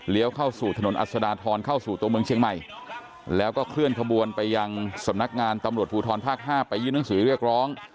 เข้าสู่ถนนอัศดาทรเข้าสู่ตัวเมืองเชียงใหม่แล้วก็เคลื่อนขบวนไปยังสำนักงานตำรวจภูทรภาค๕ไปยื่นหนังสือเรียกร้อง